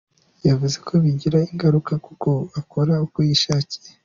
Yavuze ko bigira ingaruka kuko akora uko yishakiye.